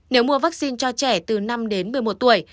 nếu mua vaccine cho trẻ từ năm đến một mươi một tuổi